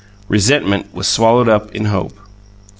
Resentment was swallowed up in hope.